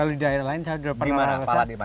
di daerah lain saya sudah pernah rasa